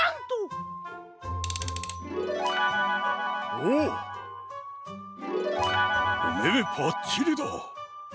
おめめぱっちりだ！